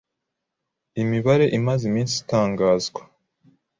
Imibare imaze iminsi itangazwa